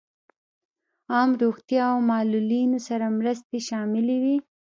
عام روغتیا او معلولینو سره مرستې شاملې وې.